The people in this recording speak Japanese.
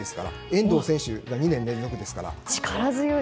遠藤選手が２年連続ですから。